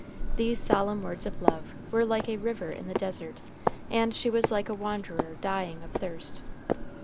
These solemn words of love were like a river in the desert, and she was like a wanderer dying of thirst.